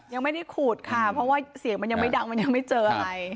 ยังไม่ได้ขุดค่ะเพราะว่าเสียงมันยังไม่ดังมันยังไม่เจออะไร